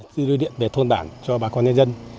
đưa điện về thôn bản cho bà con nhân dân